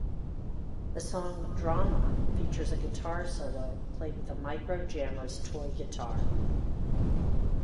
The song "Drama" features a guitar solo played with a Micro Jammers' toy guitar.